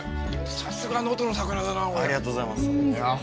さすが能登の魚だなあおいありがとうございますいやあ